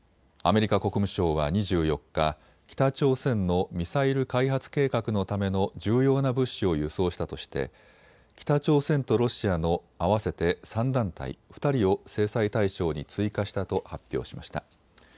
アメリカ国務省は２４日、北朝鮮のミサイル開発計画のための重要な物資を輸送したとして北朝鮮とロシアの合わせて３団体、２人を制裁対象に追加したと発表しました。